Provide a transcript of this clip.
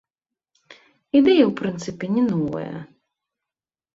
Ідэя ў прынцыпе не новая.